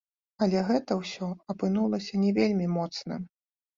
Але гэта ўсё апынулася не вельмі моцным.